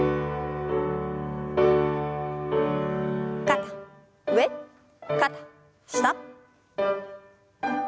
肩上肩下。